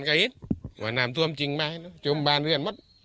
โอีนทรัพย์